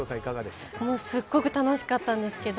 すごく楽しかったです。